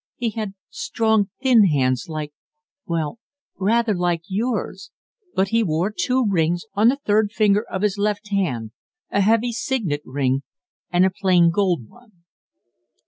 He had strong, thin hands like well, rather like yours But he wore two rings on the third finger of his left hand a heavy signet ring and a plain gold one."